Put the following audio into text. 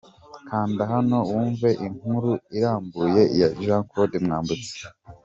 Kanda hano wumve inkuru irambuye ya Jean Claude Mwambutsa.